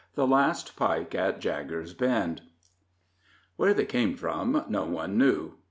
THE LAST PIKE AT JAGGER'S BEND Where they came from no one knew.